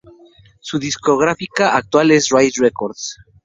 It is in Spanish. Su discográfica actual es Rise Records.